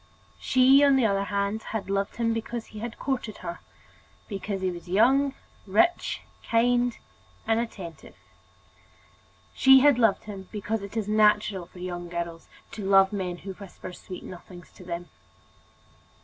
She, on the other hand, had loved him because he courted her, because he was young, rich, kind, and attentive. She had loved him because it is natural for young girls to love men who whisper sweet nothings to them.